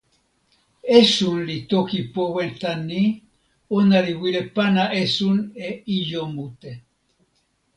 esun li toki powe tan ni: ona li wile pana esun e ijo mute.